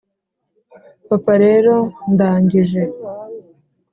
papa rero, ndangije.